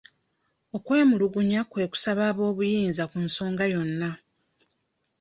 Okwemulugunya kwe kusaba ab'obuyinza ku nsonga yonna.